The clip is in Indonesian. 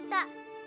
mendingan ayah pergi